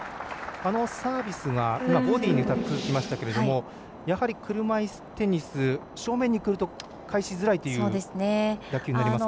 あのサービスがボディーに２つ続きましたがやはり車いすテニス正面にくると返しづらいという打球になりますか。